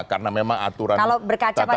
karena memang aturan kata pemerintah itu seperti itu